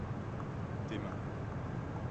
tes mains.